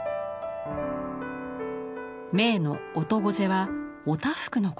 銘の「おとごぜ」はお多福のこと。